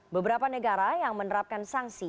beberapa negara yang menerapkan sanksi